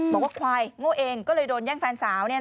บอกว่าควายโง่เองก็เลยโดนแย่งแฟนสาว